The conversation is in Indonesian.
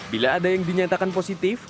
bila ada yang dinyatakan positif